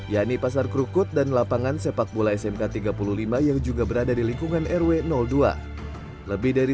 yakni pasar krukut dan lapangan sepak bola smk tiga puluh lima yang juga berada di lingkungan rw dua lebih dari